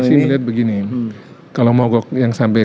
persoalan ini dilihat begini kalau mogok yang